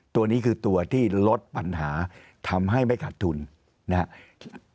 ตัวนี้คือตัวที่ลดปัญหาทำให้ไม่ขัดทุนนะครับ